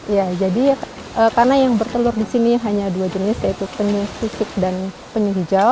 ya jadi karena yang bertelur di sini hanya dua jenis yaitu penyu fisik dan penyu hijau